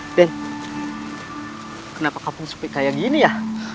raden kenapa kamu sepit kaya gini ya